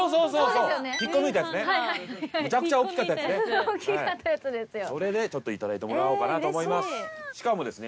それでちょっと頂いてもらおうかなと思います。